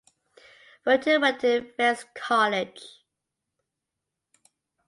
Wilton went to Fettes College.